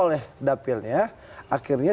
oleh dapilnya akhirnya